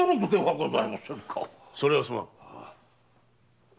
それはすまん。